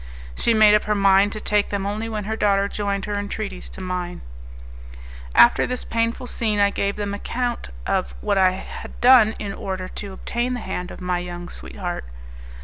She made up her mind to take them only when her daughter joined her entreaties to mine. After this painful scene I gave them an account of what I had done in order to obtain the hand of my young sweetheart.